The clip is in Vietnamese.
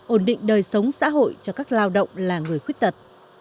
ổn định đời sống xã hội cho các lao động là người khuyết tật